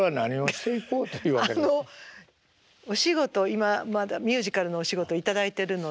今まだミュージカルのお仕事頂いてるので。